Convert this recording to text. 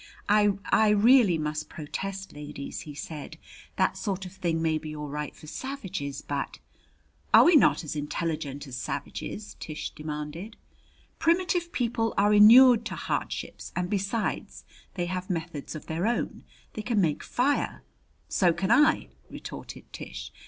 "I I really must protest, ladies," he said. "That sort of thing may be all right for savages, but " "Are we not as intelligent as savages?" Tish demanded. "Primitive people are inured to hardships, and besides, they have methods of their own. They can make fire " "So can I," retorted Tish.